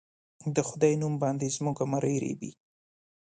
د خدای نوم باندې زموږه مرۍ رېبي